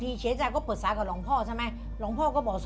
นี่เราคุยกับหลวงพ่อตลอดเลย